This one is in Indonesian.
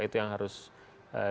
itu yang harus diperhatikan